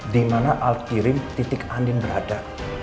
dimana al kirim titik andin berada